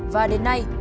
và đến nay